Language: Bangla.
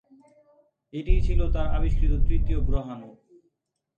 এটিই ছিল তাঁর আবিষ্কৃত তৃতীয় গ্রহাণু।